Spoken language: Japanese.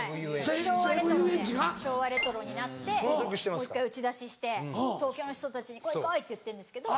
もう１回打ち出しして東京の人たちに「来い来い」って言ってるんですけど。